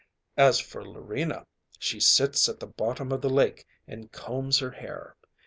As for Larina, she sits at the bottom of the lake and combs her hair.